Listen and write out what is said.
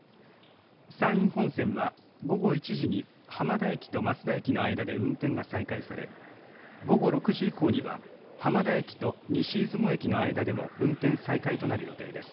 山陰本線は午後１時浜田駅と益田駅の間で運転が再開され午後６時以降には浜田駅と西出雲駅の間でも運転再開となる予定です。